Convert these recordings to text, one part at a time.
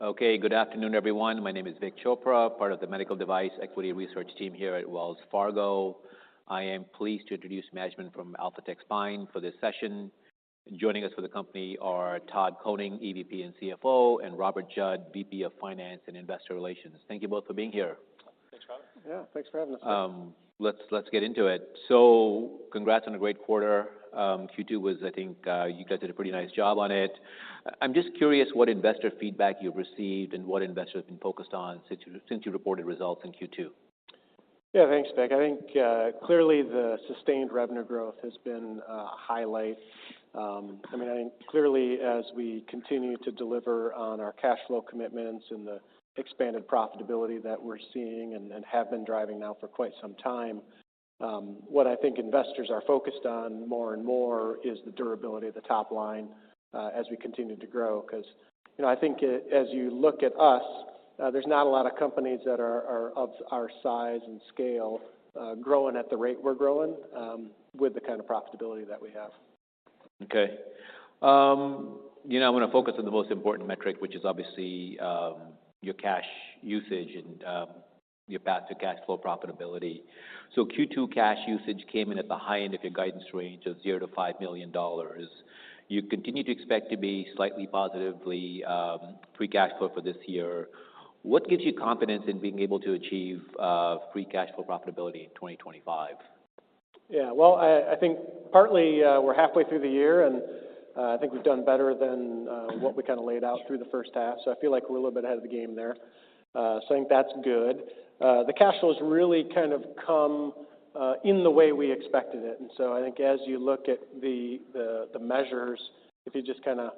Okay, good afternoon, everyone. My name is Vik Chopra, part of the Medical Device Equity Research Team here at Wells Fargo. I am pleased to introduce management from Alphatec Spine for this session. Joining us for the company are Todd Koning, EVP and CFO, and Robert Judd, VP of Finance and Investor Relations. Thank you both for being here. Thanks for having us. Yeah, thanks for having us. Let's get into it. So congrats on a great quarter. Q2 was, I think, you guys did a pretty nice job on it. I'm just curious what investor feedback you've received and what investors have been focused on since you reported results in Q2. Yeah, thanks, Vic. I think clearly the sustained revenue growth has been a highlight. I mean, I think clearly as we continue to deliver on our cash flow commitments and the expanded profitability that we're seeing and have been driving now for quite some time, what I think investors are focused on more and more is the durability of the top line as we continue to grow. Because I think as you look at us, there's not a lot of companies that are of our size and scale growing at the rate we're growing with the kind of profitability that we have. Okay. I'm going to focus on the most important metric, which is obviously your cash usage and your path to cash flow profitability. So Q2 cash usage came in at the high end of your guidance range of $0-$5 million. You continue to expect to be slightly positively free cash flow for this year. What gives you confidence in being able to achieve free cash flow profitability in 2025? Yeah, well, I think partly we're halfway through the year, and I think we've done better than what we kind of laid out through the first half. So I feel like we're a little bit ahead of the game there. So I think that's good. The cash flow has really kind of come in the way we expected it. And so I think as you look at the measures, if you just kind of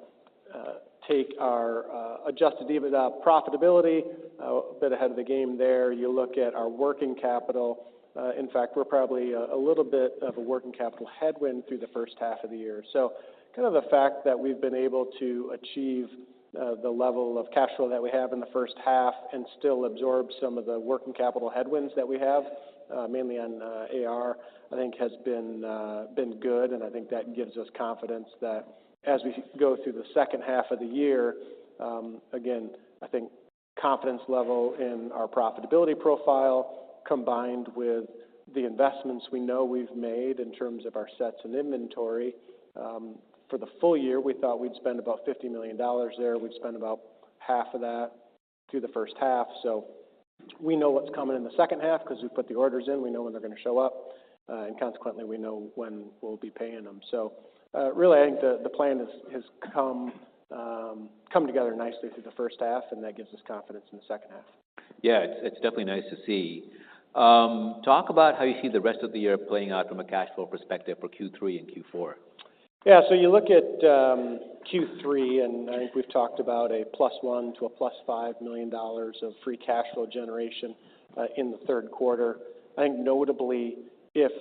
take our Adjusted EBITDA profitability, a bit ahead of the game there, you look at our working capital. In fact, we're probably a little bit of a working capital headwind through the first half of the year. So kind of the fact that we've been able to achieve the level of cash flow that we have in the first half and still absorb some of the working capital headwinds that we have, mainly on AR, I think has been good. And I think that gives us confidence that as we go through the second half of the year, again, I think confidence level in our profitability profile combined with the investments we know we've made in terms of our sets and inventory for the full year, we thought we'd spend about $50 million there. We'd spend about $25 million through the first half. So we know what's coming in the second half because we've put the orders in. We know when they're going to show up. And consequently, we know when we'll be paying them. So really, I think the plan has come together nicely through the first half, and that gives us confidence in the second half. Yeah, it's definitely nice to see. Talk about how you see the rest of the year playing out from a cash flow perspective for Q3 and Q4? Yeah, so you look at Q3, and I think we've talked about +$1-$5 million of free cash flow generation in the third quarter. I think notably, if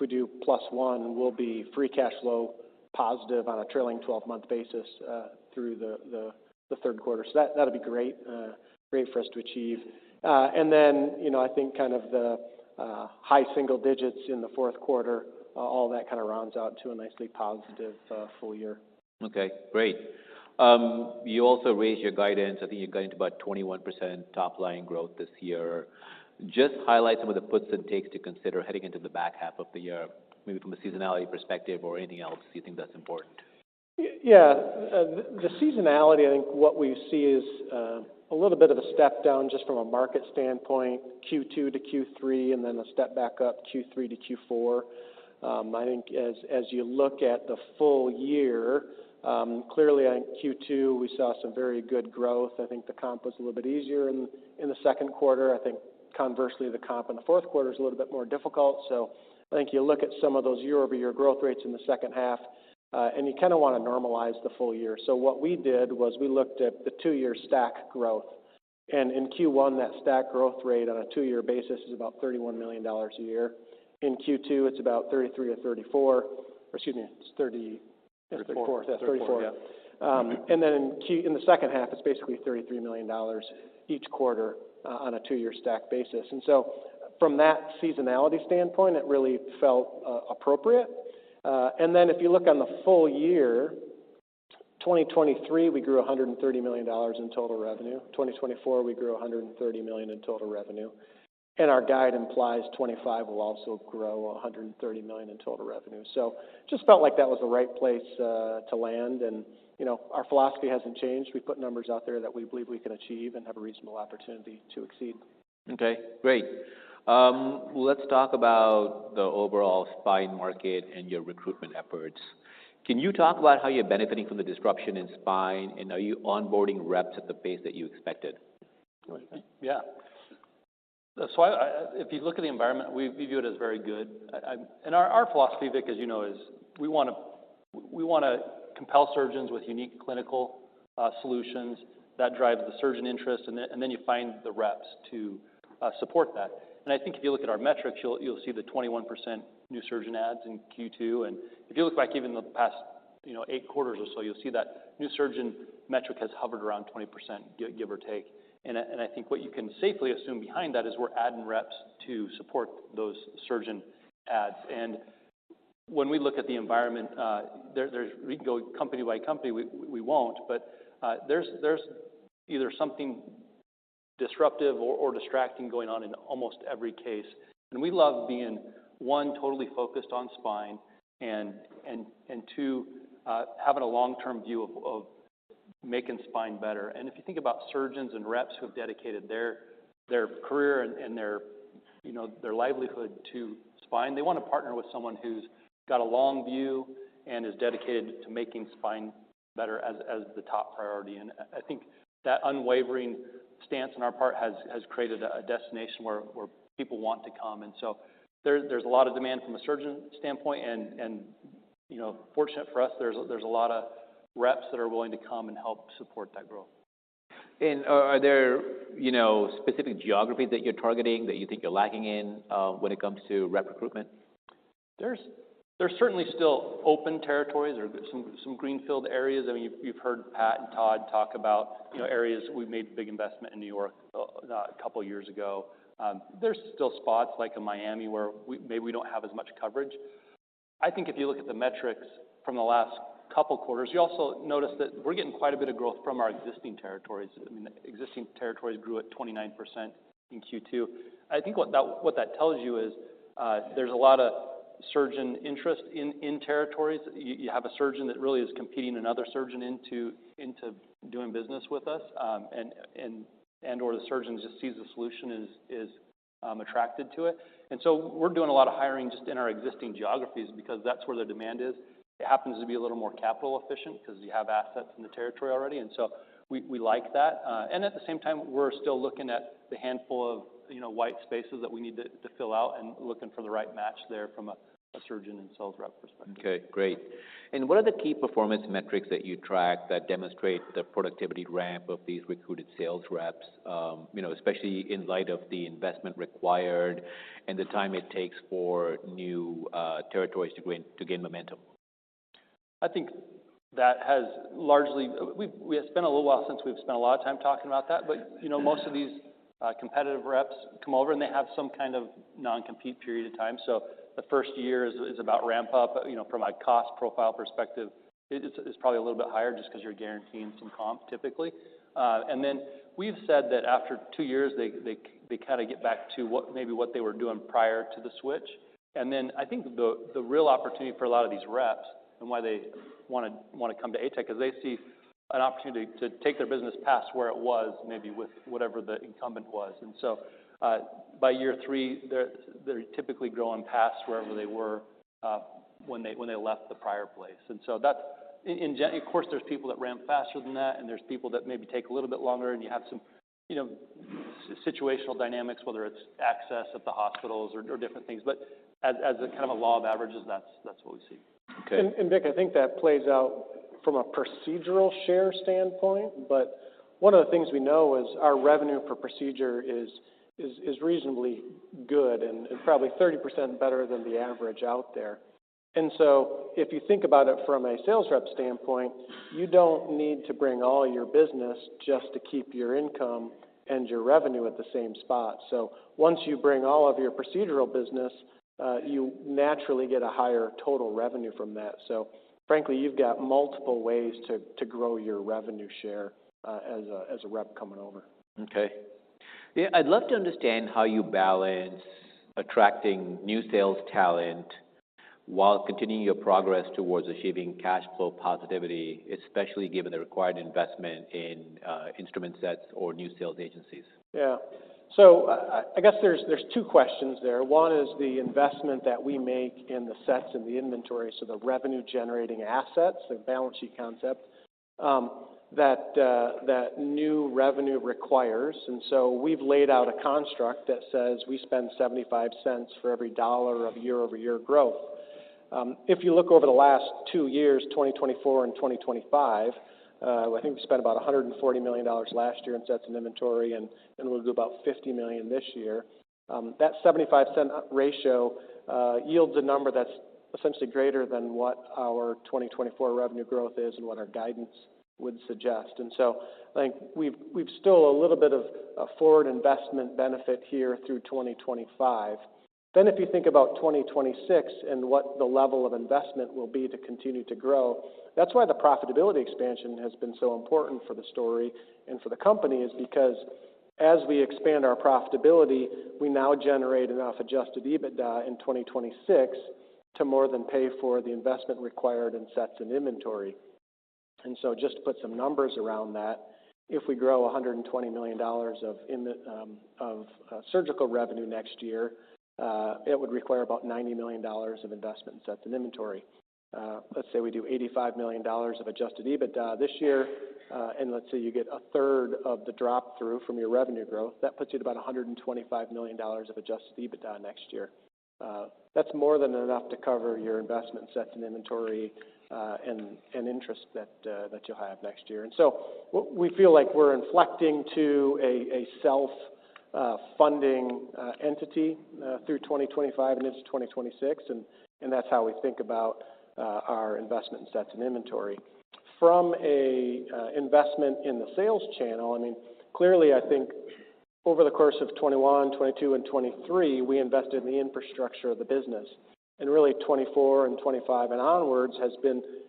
we do +$1 million, we'll be free cash flow positive on a trailing 12-month basis through the third quarter. So that'll be great for us to achieve. And then I think kind of the high single digits in the fourth quarter, all that kind of rounds out to a nicely positive full year. Okay, great. You also raised your guidance. I think you're getting to about 21% top line growth this year. Just highlight some of the puts and takes to consider heading into the back half of the year, maybe from a seasonality perspective or anything else you think that's important. Yeah, the seasonality, I think what we see is a little bit of a step down just from a market standpoint, Q2 to Q3, and then a step back up Q3 to Q4. I think as you look at the full year, clearly in Q2, we saw some very good growth. I think the comp was a little bit easier in the second quarter. I think conversely, the comp in the fourth quarter is a little bit more difficult. So I think you look at some of those year-over-year growth rates in the second half, and you kind of want to normalize the full year. So what we did was we looked at the two-year stack growth. And in Q1, that stack growth rate on a two-year basis is about $31 million a year. In Q2, it's about 33 or 34. Excuse me, it's 34. 34. Yeah. And then in the second half, it's basically $33 million each quarter on a two-year stack basis. And so from that seasonality standpoint, it really felt appropriate. And then if you look on the full year, 2023, we grew $130 million in total revenue. 2024, we grew $130 million in total revenue. And our guide implies 2025 will also grow $130 million in total revenue. So it just felt like that was the right place to land. And our philosophy hasn't changed. We put numbers out there that we believe we can achieve and have a reasonable opportunity to exceed. Okay, great. Let's talk about the overall spine market and your recruitment efforts. Can you talk about how you're benefiting from the disruption in spine, and are you onboarding reps at the pace that you expected? Yeah, so if you look at the environment, we view it as very good, and our philosophy, Vic, as you know, is we want to compel surgeons with unique clinical solutions that drive the surgeon interest. And then you find the reps to support that, and I think if you look at our metrics, you'll see the 21% new surgeon adds in Q2. And if you look back even the past eight quarters or so, you'll see that new surgeon metric has hovered around 20%, give or take. And I think what you can safely assume behind that is we're adding reps to support those surgeon adds. And when we look at the environment, we can go company by company. We won't, but there's either something disruptive or distracting going on in almost every case. And we love being, one, totally focused on spine, and two, having a long-term view of making spine better. And if you think about surgeons and reps who have dedicated their career and their livelihood to spine, they want to partner with someone who's got a long view and is dedicated to making spine better as the top priority. And I think that unwavering stance on our part has created a destination where people want to come. And so there's a lot of demand from a surgeon standpoint. And fortunate for us, there's a lot of reps that are willing to come and help support that growth. Are there specific geographies that you're targeting that you think you're lacking in when it comes to rep recruitment? There's certainly still open territories or some greenfield areas. I mean, you've heard Pat and Todd talk about areas we made a big investment in New York a couple of years ago. There's still spots like in Miami where maybe we don't have as much coverage. I think if you look at the metrics from the last couple of quarters, you also notice that we're getting quite a bit of growth from our existing territories. I mean, existing territories grew at 29% in Q2. I think what that tells you is there's a lot of surgeon interest in territories. You have a surgeon that really is competing another surgeon into doing business with us, and/or the surgeon just sees the solution and is attracted to it, and so we're doing a lot of hiring just in our existing geographies because that's where the demand is. It happens to be a little more capital efficient because you have assets in the territory already. And so we like that. And at the same time, we're still looking at the handful of white spaces that we need to fill out and looking for the right match there from a surgeon and sales rep perspective. Okay, great. And what are the key performance metrics that you track that demonstrate the productivity ramp of these recruited sales reps, especially in light of the investment required and the time it takes for new territories to gain momentum? I think that has largely we have spent a little while since we've spent a lot of time talking about that, but most of these competitive reps come over, and they have some kind of non-compete period of time, so the first year is about ramp up from a cost profile perspective. It's probably a little bit higher just because you're guaranteeing some comp typically, and then we've said that after two years, they kind of get back to maybe what they were doing prior to the switch, and then I think the real opportunity for a lot of these reps and why they want to come to ATEC, because they see an opportunity to take their business past where it was, maybe with whatever the incumbent was, and so by year three, they're typically growing past wherever they were when they left the prior place. And so that's in general, of course, there's people that ramp faster than that, and there's people that maybe take a little bit longer. And you have some situational dynamics, whether it's access at the hospitals or different things. But as a kind of a law of averages, that's what we see. Okay. Vic, I think that plays out from a procedural share standpoint. But one of the things we know is our revenue per procedure is reasonably good and probably 30% better than the average out there. And so if you think about it from a sales rep standpoint, you don't need to bring all your business just to keep your income and your revenue at the same spot. So once you bring all of your procedural business, you naturally get a higher total revenue from that. So frankly, you've got multiple ways to grow your revenue share as a rep coming over. Okay. I'd love to understand how you balance attracting new sales talent while continuing your progress towards achieving cash flow positivity, especially given the required investment in instrument sets or new sales agencies? Yeah. So I guess there's two questions there. One is the investment that we make in the sets and the inventory, so the revenue-generating assets, the balance sheet concept that new revenue requires. And so we've laid out a construct that says we spend $0.75 for every $1 of year-over-year growth. If you look over the last two years, 2024 and 2025, I think we spent about $140 million last year in sets and inventory, and we'll do about $50 million this year. That $0.75 ratio yields a number that's essentially greater than what our 2024 revenue growth is and what our guidance would suggest. And so I think we've still a little bit of a forward investment benefit here through 2025. Then if you think about 2026 and what the level of investment will be to continue to grow, that's why the profitability expansion has been so important for the story and for the company is because as we expand our profitability, we now generate enough Adjusted EBITDA in 2026 to more than pay for the investment required in sets and inventory. And so just to put some numbers around that, if we grow $120 million of surgical revenue next year, it would require about $90 million of investment in sets and inventory. Let's say we do $85 million of Adjusted EBITDA this year, and let's say you get a third of the drop-through from your revenue growth, that puts you at about $125 million of Adjusted EBITDA next year. That's more than enough to cover your investment sets and inventory and interest that you'll have next year. We feel like we're inflecting to a self-funding entity through 2025 and into 2026. That's how we think about our investment in sets and inventory. From an investment in the sales channel, I mean, clearly, I think over the course of 2021, 2022, and 2023, we invested in the infrastructure of the business. Really, 2024 and 2025 and onwards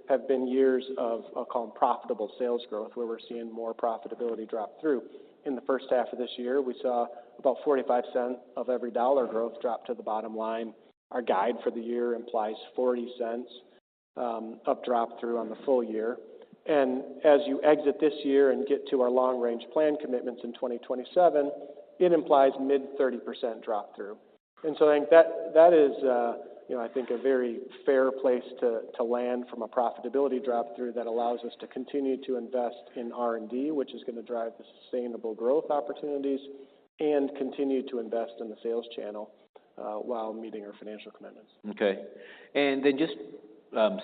have been years of, I'll call them, profitable sales growth, where we're seeing more profitability drop through. In the first half of this year, we saw about 45 cents of every dollar growth drop to the bottom line. Our guide for the year implies 40 cents of drop-through on the full year. As you exit this year and get to our long-range plan commitments in 2027, it implies mid-30% drop-through. And so I think that is, I think, a very fair place to land from a profitability drop-through that allows us to continue to invest in R&D, which is going to drive the sustainable growth opportunities, and continue to invest in the sales channel while meeting our financial commitments. Okay. And then just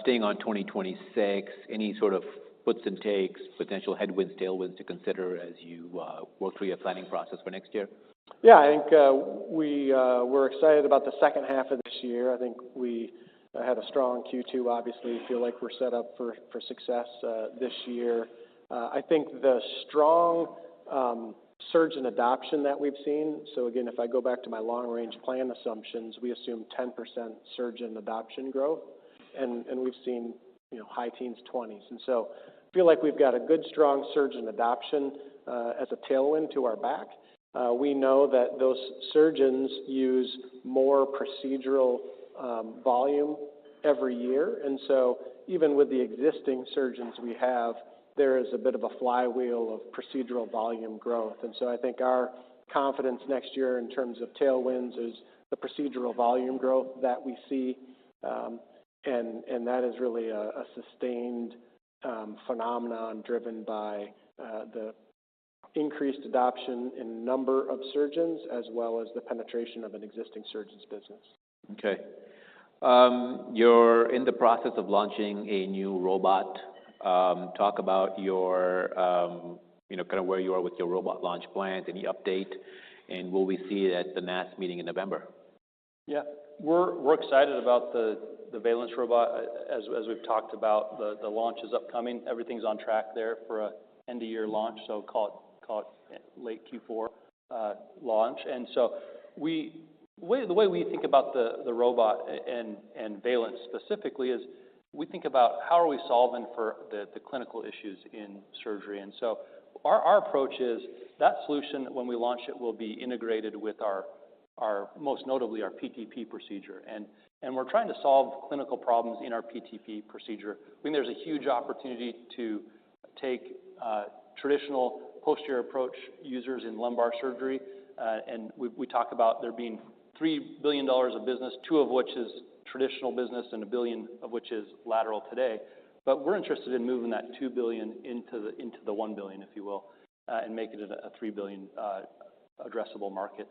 staying on 2026, any sort of puts and takes, potential headwinds, tailwinds to consider as you work through your planning process for next year? Yeah, I think we're excited about the second half of this year. I think we had a strong Q2, obviously. I feel like we're set up for success this year. I think the strong surgeon adoption that we've seen, so again, if I go back to my long-range plan assumptions, we assume 10% surgeon adoption growth. And we've seen high teens, 20s. And so I feel like we've got a good, strong surgeon adoption as a tailwind to our back. We know that those surgeons use more procedural volume every year. And so even with the existing surgeons we have, there is a bit of a flywheel of procedural volume growth. And so I think our confidence next year in terms of tailwinds is the procedural volume growth that we see. That is really a sustained phenomenon driven by the increased adoption in number of surgeons as well as the penetration of an existing surgeon's business. Okay. You're in the process of launching a new robot. Talk about kind of where you are with your robot launch plan, any update, and will we see it at the NASS meeting in November? Yeah. We're excited about the Valence robot. As we've talked about, the launch is upcoming. Everything's on track there for an end-of-year launch, so call it late Q4 launch, and so the way we think about the robot and Valence specifically is we think about how are we solving for the clinical issues in surgery, and so our approach is that solution, when we launch it, will be integrated with, most notably, our PTP procedure, and we're trying to solve clinical problems in our PTP procedure. I mean, there's a huge opportunity to take traditional posterior approach users in lumbar surgery, and we talk about there being $3 billion of business, two of which is traditional business and a billion of which is lateral today, but we're interested in moving that two billion into the one billion, if you will, and making it a three billion addressable market.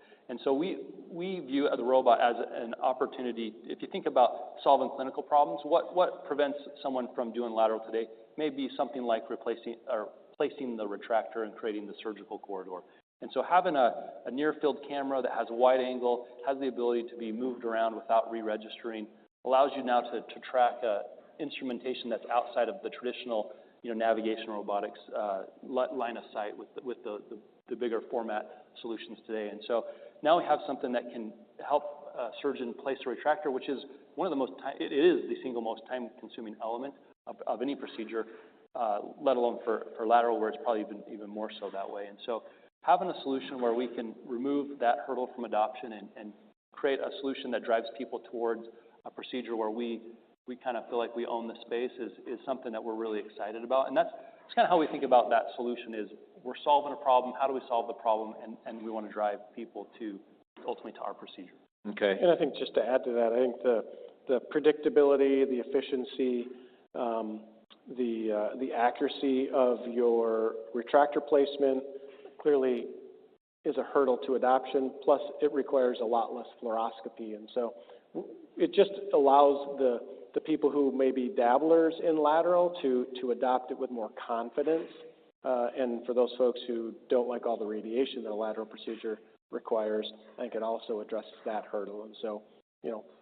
We view the robot as an opportunity. If you think about solving clinical problems, what prevents someone from doing lateral today may be something like replacing or placing the retractor and creating the surgical corridor. Having a near-field camera that has a wide angle, has the ability to be moved around without re-registering, allows you now to track instrumentation that's outside of the traditional navigation robotics line of sight with the bigger format solutions today. Now we have something that can help a surgeon place a retractor, which is one of the most, it is the single most time-consuming element of any procedure, let alone for lateral, where it's probably even more so that way. And so having a solution where we can remove that hurdle from adoption and create a solution that drives people towards a procedure where we kind of feel like we own the space is something that we're really excited about. And that's kind of how we think about that solution is we're solving a problem. How do we solve the problem? And we want to drive people ultimately to our procedure. Okay. And I think just to add to that, I think the predictability, the efficiency, the accuracy of your retractor placement clearly is a hurdle to adoption. Plus, it requires a lot less fluoroscopy. And so it just allows the people who may be dabblers in lateral to adopt it with more confidence. And for those folks who don't like all the radiation that a lateral procedure requires, I think it also addresses that hurdle. And so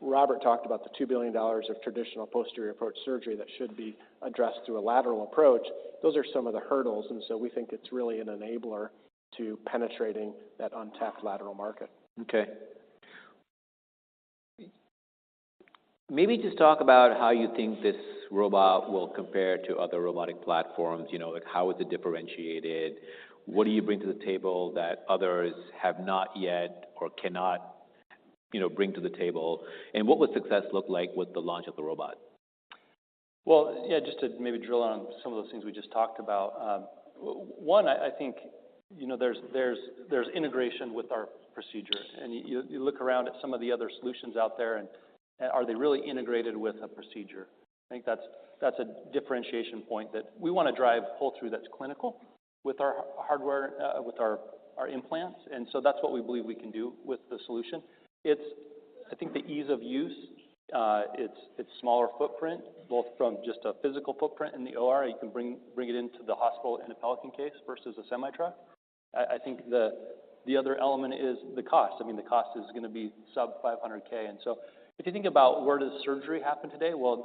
Robert talked about the $2 billion of traditional posterior approach surgery that should be addressed through a lateral approach. Those are some of the hurdles. And so we think it's really an enabler to penetrating that untapped lateral market. Okay. Maybe just talk about how you think this robot will compare to other robotic platforms. How is it differentiated? What do you bring to the table that others have not yet or cannot bring to the table? And what would success look like with the launch of the robot? Yeah, just to maybe drill on some of those things we just talked about. One, I think there's integration with our procedure. And you look around at some of the other solutions out there, and are they really integrated with a procedure? I think that's a differentiation point that we want to drive pull-through that's clinical with our hardware, with our implants. And so that's what we believe we can do with the solution. It's, I think, the ease of use. It's smaller footprint, both from just a physical footprint in the OR. You can bring it into the hospital in a Pelican case versus a semi-truck. I think the other element is the cost. I mean, the cost is going to be sub-$500,000. And so if you think about where does surgery happen today, well,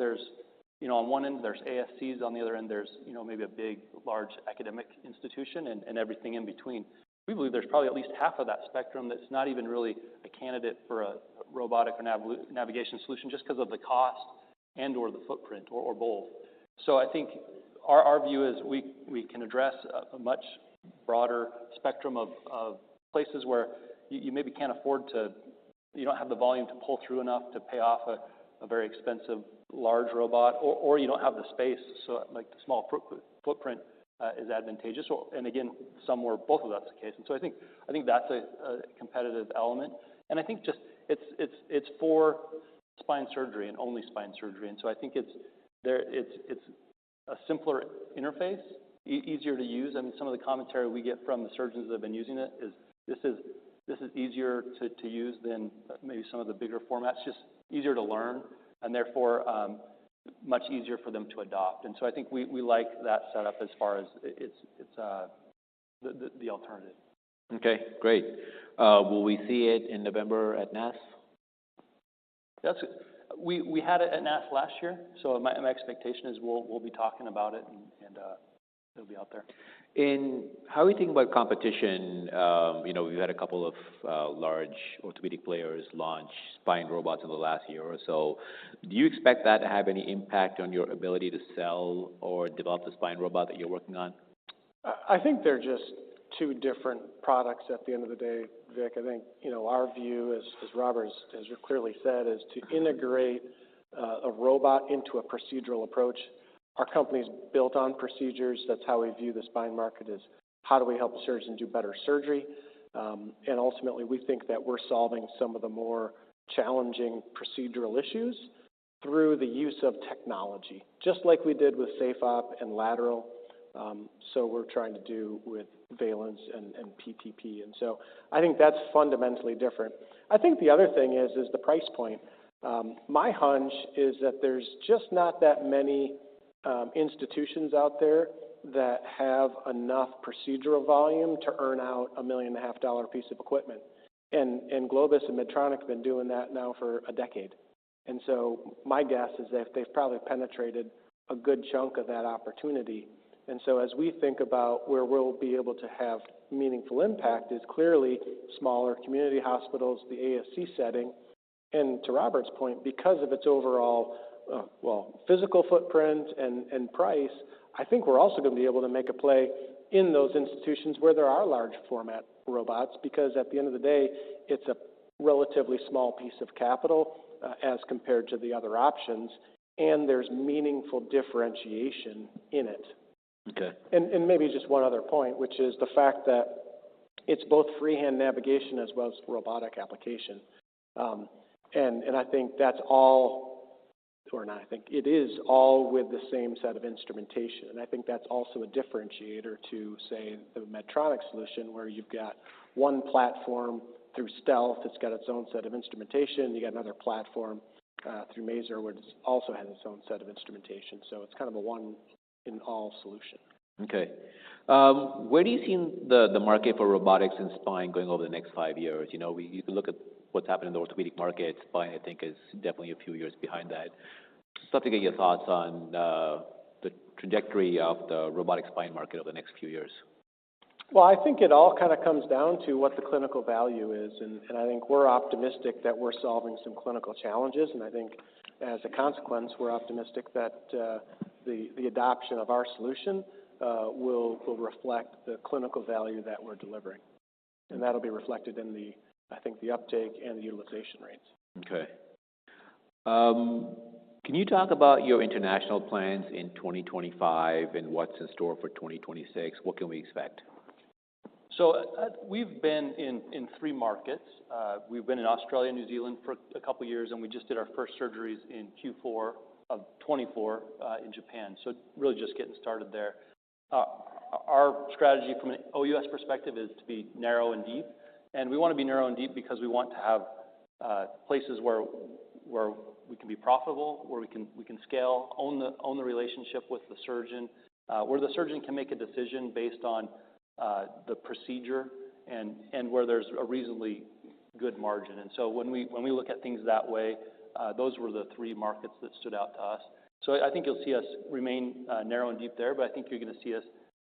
on one end, there's ASCs. On the other end, there's maybe a big, large academic institution and everything in between. We believe there's probably at least half of that spectrum that's not even really a candidate for a robotic or navigation solution just because of the cost and/or the footprint or both. So I think our view is we can address a much broader spectrum of places where you maybe can't afford to, you don't have the volume to pull through enough to pay off a very expensive large robot, or you don't have the space. So the small footprint is advantageous. And again, somewhere both of that's the case. And so I think that's a competitive element. And I think just it's for spine surgery and only spine surgery. And I think it's a simpler interface, easier to use. I mean, some of the commentary we get from the surgeons that have been using it is this is easier to use than maybe some of the bigger formats, just easier to learn, and therefore much easier for them to adopt. And so I think we like that setup as far as it's the alternative. Okay. Great. Will we see it in November at NASS? That's good. We had it at NASS last year. So my expectation is we'll be talking about it, and it'll be out there. How are we thinking about competition? We've had a couple of large orthopedic players launch spine robots in the last year or so. Do you expect that to have any impact on your ability to sell or develop the spine robot that you're working on? I think they're just two different products at the end of the day, Vic. I think our view, as Robert has clearly said, is to integrate a robot into a procedural approach. Our company's built on procedures. That's how we view the spine market is how do we help surgeons do better surgery. And ultimately, we think that we're solving some of the more challenging procedural issues through the use of technology, just like we did with SafeOp and lateral. So we're trying to do with Valence and PTP. And so I think that's fundamentally different. I think the other thing is the price point. My hunch is that there's just not that many institutions out there that have enough procedural volume to earn out a $1.5 million piece of equipment. And Globus and Medtronic have been doing that now for a decade. And so my guess is that they've probably penetrated a good chunk of that opportunity. And so as we think about where we'll be able to have meaningful impact is clearly smaller community hospitals, the ASC setting. And to Robert's point, because of its overall, well, physical footprint and price, I think we're also going to be able to make a play in those institutions where there are large-format robots because at the end of the day, it's a relatively small piece of capital as compared to the other options, and there's meaningful differentiation in it. Okay. Maybe just one other point, which is the fact that it's both freehand navigation as well as robotic application. I think that's all, or not. I think it is all with the same set of instrumentation. I think that's also a differentiator to, say, the Medtronic solution where you've got one platform through Stealth. It's got its own set of instrumentation. You got another platform through Mazor, which also has its own set of instrumentation. It's kind of a one-in-all solution. Okay. Where do you see the market for robotics and spine going over the next five years? You look at what's happened in the orthopedic market. spine, I think, is definitely a few years behind that. Start to get your thoughts on the trajectory of the robotic spine market over the next few years. I think it all kind of comes down to what the clinical value is. I think we're optimistic that we're solving some clinical challenges. I think as a consequence, we're optimistic that the adoption of our solution will reflect the clinical value that we're delivering. That'll be reflected in, I think, the uptake and the utilization rates. Okay. Can you talk about your international plans in 2025 and what's in store for 2026? What can we expect? We've been in three markets. We've been in Australia, New Zealand for a couple of years, and we just did our first surgeries in Q4 of 2024 in Japan. So really just getting started there. Our strategy from an OUS perspective is to be narrow and deep. And we want to be narrow and deep because we want to have places where we can be profitable, where we can scale, own the relationship with the surgeon, where the surgeon can make a decision based on the procedure and where there's a reasonably good margin. And so when we look at things that way, those were the three markets that stood out to us. So I think you'll see us remain narrow and deep there, but I think you're going to see us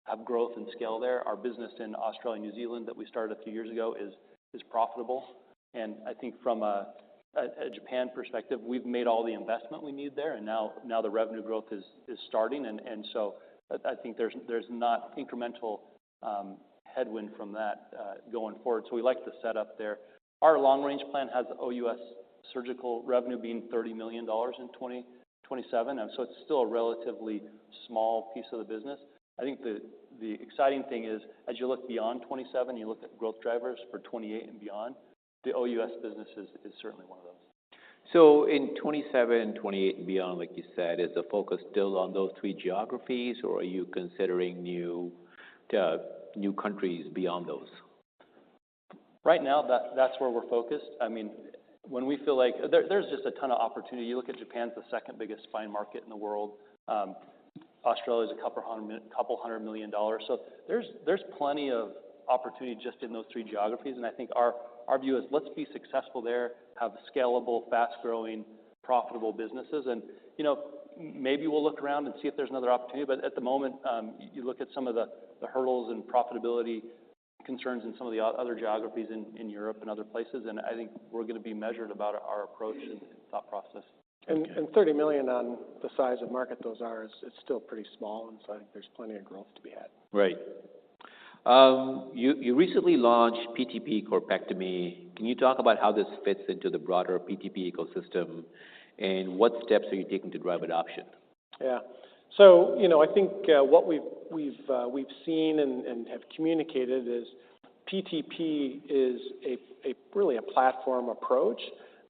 have growth and scale there. Our business in Australia, New Zealand that we started a few years ago is profitable. And I think from a Japan perspective, we've made all the investment we need there, and now the revenue growth is starting. And so I think there's not incremental headwind from that going forward. So we like the setup there. Our long-range plan has OUS surgical revenue being $30 million in 2027. So it's still a relatively small piece of the business. I think the exciting thing is as you look beyond 2027, you look at growth drivers for 2028 and beyond. The OUS business is certainly one of those. In 2027, 2028, and beyond, like you said, is the focus still on those three geographies, or are you considering new countries beyond those? Right now, that's where we're focused. I mean, when we feel like there's just a ton of opportunity. You look at Japan is the second biggest spine market in the world. Australia is $200 million. There's plenty of opportunity just in those three geographies. Our view is let's be successful there, have scalable, fast-growing, profitable businesses. Maybe we'll look around and see if there's another opportunity. At the moment, you look at some of the hurdles and profitability concerns in some of the other geographies in Europe and other places, and we're going to be measured about our approach and thought process. $30 million on the size of market those are, it's still pretty small. There's plenty of growth to be had. Right. You recently launched PTP Corpectomy. Can you talk about how this fits into the broader PTP ecosystem and what steps are you taking to drive adoption? Yeah. So I think what we've seen and have communicated is PTP is really a platform approach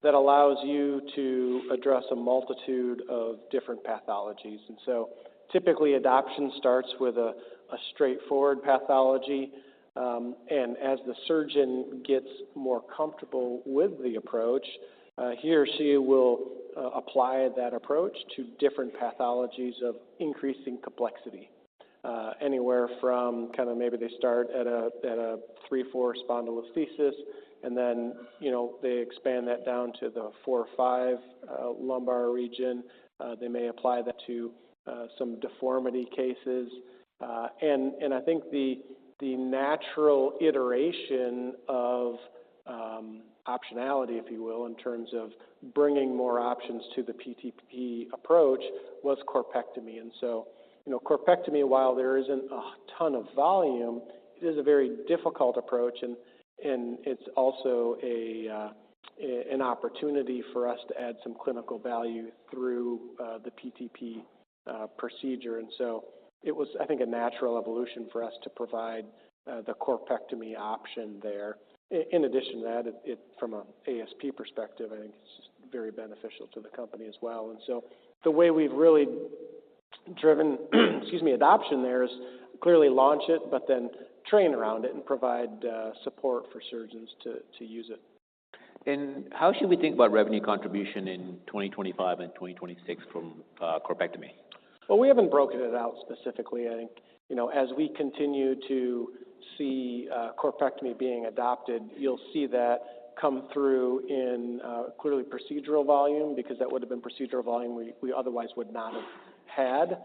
that allows you to address a multitude of different pathologies. And so typically, adoption starts with a straightforward pathology. And as the surgeon gets more comfortable with the approach, he or she will apply that approach to different pathologies of increasing complexity anywhere from kind of maybe they start at a 3-4 spondylolisthesis, and then they expand that down to the 4-5 lumbar region. They may apply that to some deformity cases. And I think the natural iteration of optionality, if you will, in terms of bringing more options to the PTP approach was corpectomy. And so corpectomy, while there isn't a ton of volume, it is a very difficult approach. And it's also an opportunity for us to add some clinical value through the PTP procedure. And so it was, I think, a natural evolution for us to provide the corpectomy option there. In addition to that, from an ASP perspective, I think it's just very beneficial to the company as well. And so the way we've really driven, excuse me, adoption there is clearly launch it, but then train around it and provide support for surgeons to use it. How should we think about revenue contribution in 2025 and 2026 from corpectomy? We haven't broken it out specifically. I think as we continue to see corpectomy being adopted, you'll see that come through in clearly procedural volume because that would have been procedural volume we otherwise would not have had,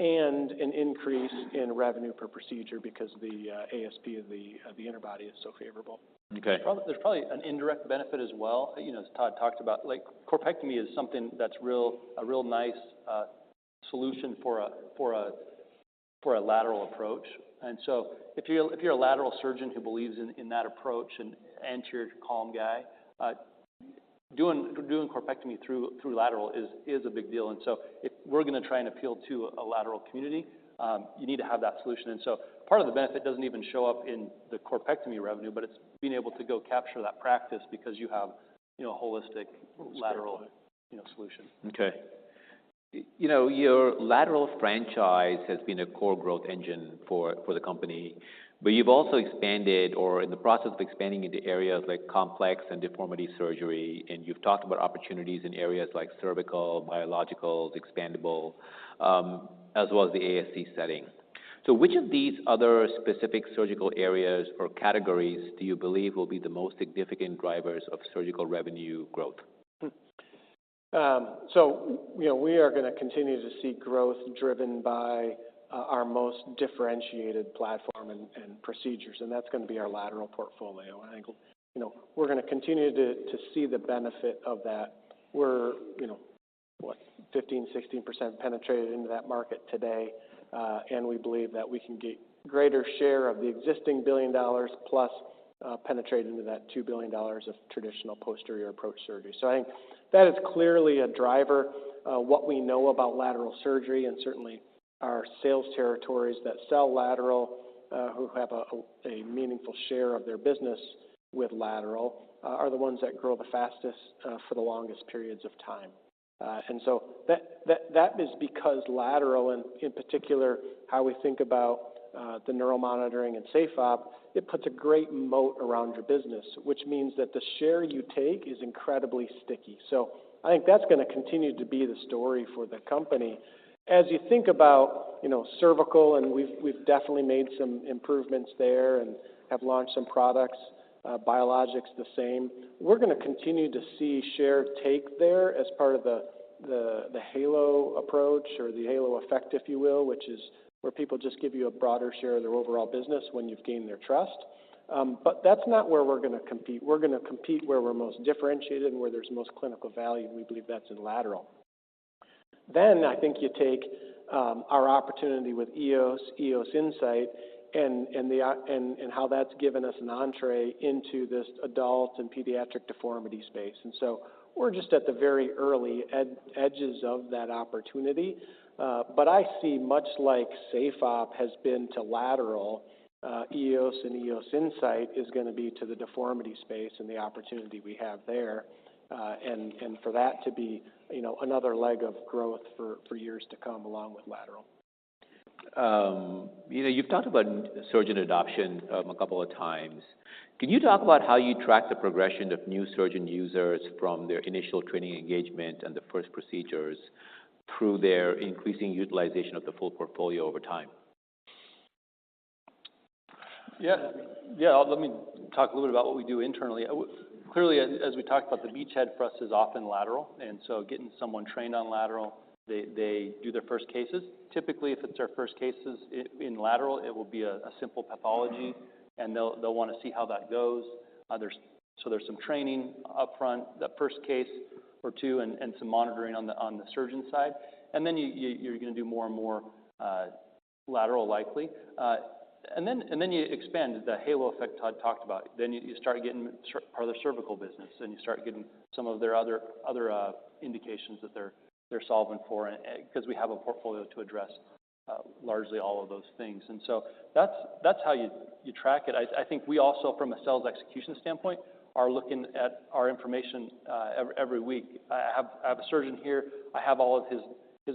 and an increase in revenue per procedure because the ASP of the interbody is so favorable. Okay. There's probably an indirect benefit as well. As Todd talked about, corpectomy is something that's a real nice solution for a lateral approach, and so if you're a lateral surgeon who believes in that approach and anterior column guy, doing corpectomy through lateral is a big deal, and so if we're going to try and appeal to a lateral community, you need to have that solution, and so part of the benefit doesn't even show up in the corpectomy revenue, but it's being able to go capture that practice because you have a holistic lateral solution. Okay. Your lateral franchise has been a core growth engine for the company, but you've also expanded or in the process of expanding into areas like complex and deformity surgery, and you've talked about opportunities in areas like cervical, biologicals, expandable, as well as the ASC setting, so which of these other specific surgical areas or categories do you believe will be the most significant drivers of surgical revenue growth? We are going to continue to see growth driven by our most differentiated platform and procedures. That's going to be our lateral portfolio. I think we're going to continue to see the benefit of that. We're, what, 15%-16% penetrated into that market today. We believe that we can get greater share of the existing $1 billion-plus and penetrate into that $2 billion of traditional posterior approach surgery. I think that is clearly a driver. What we know about lateral surgery and certainly our sales territories that sell lateral, who have a meaningful share of their business with lateral, are the ones that grow the fastest for the longest periods of time. That is because lateral, and in particular, how we think about the neural monitoring and SafeOp, it puts a great moat around your business, which means that the share you take is incredibly sticky. I think that's going to continue to be the story for the company. As you think about cervical, and we've definitely made some improvements there and have launched some products, biologics the same, we're going to continue to see share take there as part of the halo approach or the halo effect, if you will, which is where people just give you a broader share of their overall business when you've gained their trust. That's not where we're going to compete. We're going to compete where we're most differentiated and where there's most clinical value. We believe that's in lateral. Then I think you take our opportunity with EOS, EOS Insight, and how that's given us an entree into this adult and pediatric deformity space. And so we're just at the very early edges of that opportunity. But I see much like SafeOp has been to lateral, EOS and EOS Insight is going to be to the deformity space and the opportunity we have there, and for that to be another leg of growth for years to come along with lateral. You've talked about surgeon adoption a couple of times. Can you talk about how you track the progression of new surgeon users from their initial training engagement and the first procedures through their increasing utilization of the full portfolio over time? Yeah. Yeah. Let me talk a little bit about what we do internally. Clearly, as we talked about, the beachhead for us is often lateral. And so getting someone trained on lateral, they do their first cases. Typically, if it's their first cases in lateral, it will be a simple pathology, and they'll want to see how that goes. So there's some training upfront, that first case or two, and some monitoring on the surgeon side. And then you're going to do more and more lateral, likely. And then you expand the halo effect Todd talked about. Then you start getting part of the cervical business, and you start getting some of their other indications that they're solving for because we have a portfolio to address largely all of those things. And so that's how you track it. I think we also, from a sales execution standpoint, are looking at our information every week. I have a surgeon here. I have all of his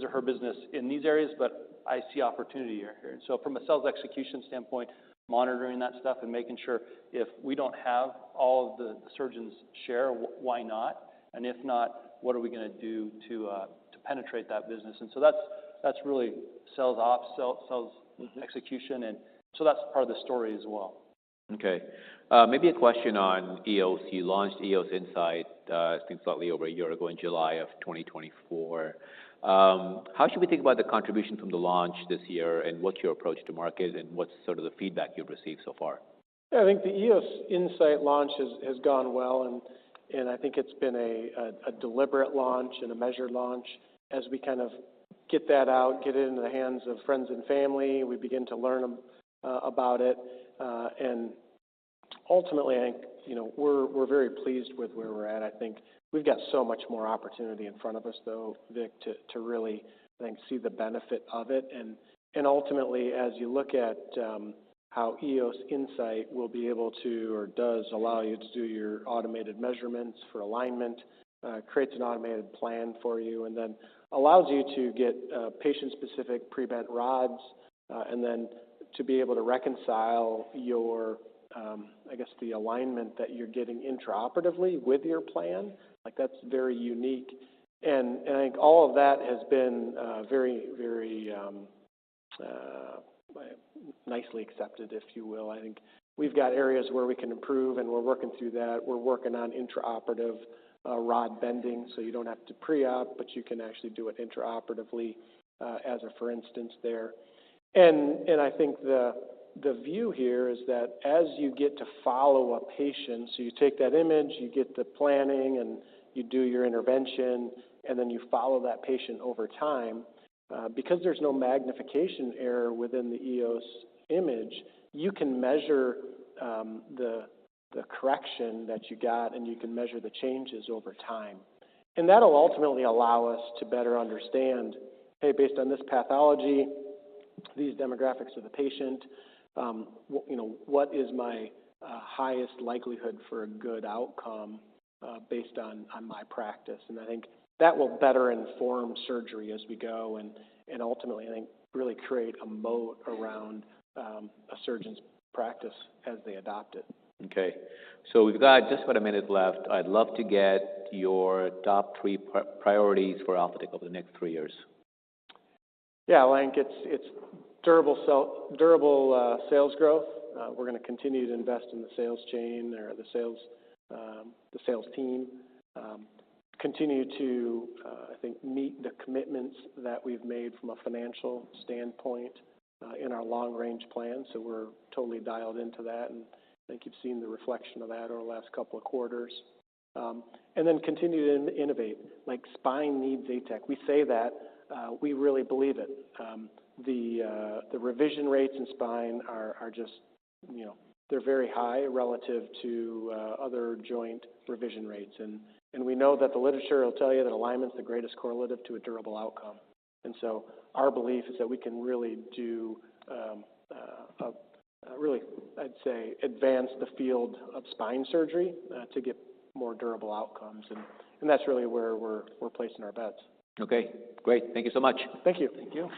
or her business in these areas, but I see opportunity here. And so from a sales execution standpoint, monitoring that stuff and making sure if we don't have all of the surgeons' share, why not? And if not, what are we going to do to penetrate that business? And so that's really sales ops, sales execution. And so that's part of the story as well. Okay. Maybe a question on EOS. You launched EOS Insight, I think, slightly over a year ago in July of 2024. How should we think about the contribution from the launch this year and what's your approach to market and what's sort of the feedback you've received so far? Yeah. I think the EOS Insight launch has gone well, and I think it's been a deliberate launch and a measured launch. As we kind of get that out, get it into the hands of friends and family, we begin to learn about it, and ultimately, I think we're very pleased with where we're at. I think we've got so much more opportunity in front of us, though, Vic, to really see the benefit of it, and ultimately, as you look at how EOS Insight will be able to or does allow you to do your automated measurements for alignment, creates an automated plan for you, and then allows you to get patient-specific pre-bent rods, and then to be able to reconcile your, I guess, the alignment that you're getting intraoperatively with your plan. That's very unique. And I think all of that has been very, very nicely accepted, if you will. I think we've got areas where we can improve, and we're working through that. We're working on intraoperative rod bending so you don't have to pre-op, but you can actually do it intraoperatively as a for instance there. And I think the view here is that as you get to follow a patient, so you take that image, you get the planning, and you do your intervention, and then you follow that patient over time, because there's no magnification error within the EOS image, you can measure the correction that you got, and you can measure the changes over time. And that'll ultimately allow us to better understand, hey, based on this pathology, these demographics of the patient, what is my highest likelihood for a good outcome based on my practice. I think that will better inform surgery as we go and ultimately, I think, really create a moat around a surgeon's practice as they adopt it. Okay, so we've got just about a minute left. I'd love to get your top three priorities for Alphatec over the next three years. Yeah. I think it's durable sales growth. We're going to continue to invest in the sales chain or the sales team, continue to, I think, meet the commitments that we've made from a financial standpoint in our long-range plan. So we're totally dialed into that. And I think you've seen the reflection of that over the last couple of quarters. And then continue to innovate. spine needs ATEC. We say that. We really believe it. The revision rates in spine are just, they're very high relative to other joint revision rates. And we know that the literature will tell you that alignment is the greatest correlative to a durable outcome. And so our belief is that we can really do a really, I'd say, advance the field of spine surgery to get more durable outcomes. And that's really where we're placing our bets. Okay. Great. Thank you so much. Thank you. Thank you.